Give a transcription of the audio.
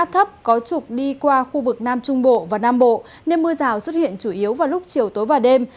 áp thấp có trục đi qua khu vực nam trung bộ và nam bộ nên mưa rào xuất hiện chủ yếu vào lúc chiều tối và đêm